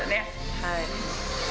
はい。